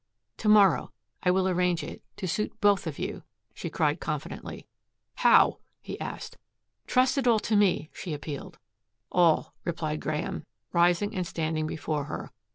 "To morrow I will arrange it to suit both of you," she cried confidently. "How?" he asked. "Trust it all to me," she appealed. "All," replied Graeme, rising and standing before her.